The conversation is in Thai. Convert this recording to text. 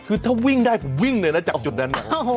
คือถ้าวิ่งได้ผมวิ่งเลยนะจากจุดนั้น